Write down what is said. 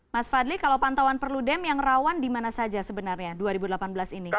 mas fadli kalau pantauan perludem yang rawan di mana saja sebenarnya dua ribu delapan belas ini